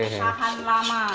biar tahan lama